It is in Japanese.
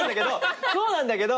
そうなんだけど。